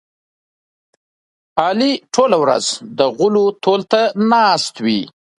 علي ټوله ورځ د غولو تول ته ناست وي.